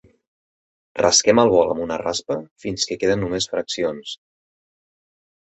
Rasquem el bol amb una raspa fins que queden només fraccions.